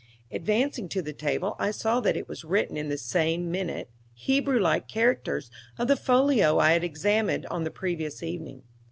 Advancing to the table, I saw that it was written in the same minute, Hebrew like characters of the folio I had examined on the previous evening.